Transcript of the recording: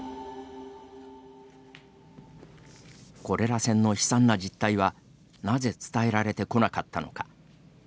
コレラ船の悲惨な実態はなぜ、伝えられてこなかったのか。